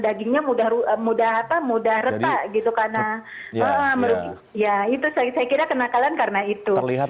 dagingnya mudah mudah apa mudah retak gitu karena ya itu saya kira kenakalan karena itu terlihat